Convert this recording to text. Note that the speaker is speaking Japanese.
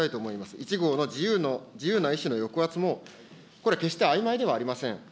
１号の自由な意思の抑圧もこれ、決してあいまいではありません。